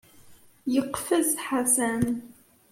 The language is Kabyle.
Yeqfez Ḥasan.